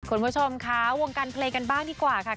คุณผู้ชมคะวงการเพลงกันบ้างดีกว่าค่ะ